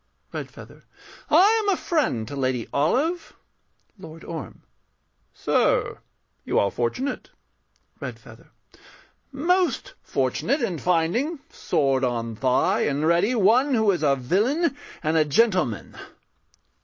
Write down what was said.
REDFEATHER. I am a friend to Lady Olive. LORD ORM. Sir, you are fortunate. REDFEATHER. Most fortunate In finding, sword on thigh and ready, one Who is a villain and a gentleman.